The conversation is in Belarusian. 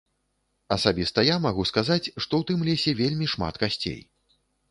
Асабіста я магу сказаць, што ў тым лесе вельмі шмат касцей.